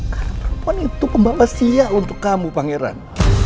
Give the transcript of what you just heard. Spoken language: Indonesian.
karena perempuan itu pembawa sial untuk kamu pangeran